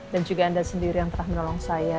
dan juga anda sendiri yang telah menolong saya